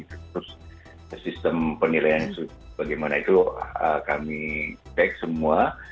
terus sistem penilaian bagaimana itu kami tag semua